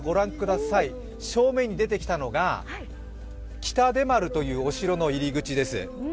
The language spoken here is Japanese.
正面に出てきたのが北出丸というお城の入り口です。